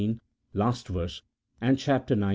last verse, and chap, xix.